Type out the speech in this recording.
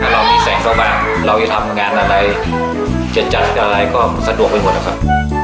เรามีแสงเข้ามาเราจะทำงานอะไรจะจัดอะไรก็สะดวกไปหมดนะครับ